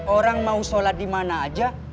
orang mau sholat dimana aja